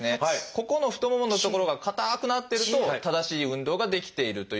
ここの太もものところが硬くなってると正しい運動ができているという。